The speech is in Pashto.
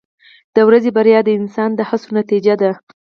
• د ورځې بریا د انسان د هڅو نتیجه ده.